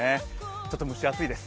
ちょっと蒸し暑いです。